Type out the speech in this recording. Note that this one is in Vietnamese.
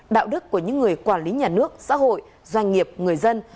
đạo đức của những người quản lý nhà nước xã hội doanh nghiệp người dân